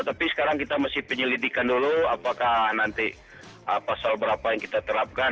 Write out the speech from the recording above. tapi sekarang kita masih penyelidikan dulu apakah nanti pasal berapa yang kita terapkan